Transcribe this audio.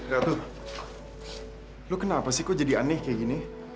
ratu lu kenapa sih kok jadi aneh kayak gini